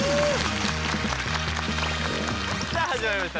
さあ始まりました